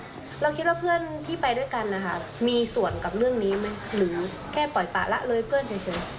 หรือแค่ปล่อยปากละเลยเพื่อนเฉย